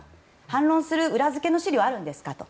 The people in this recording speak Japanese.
反論する裏付けの資料あるんですかと。